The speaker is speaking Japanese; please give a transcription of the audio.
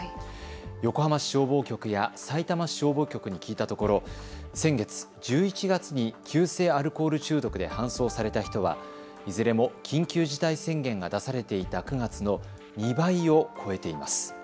横浜市消防局やさいたま市消防局に聞いたところ先月１１月に急性アルコール中毒で搬送された人はいずれも緊急事態宣言が出されていた９月の２倍を超えています。